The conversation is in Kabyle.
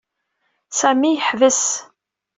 Sami yeḥbes.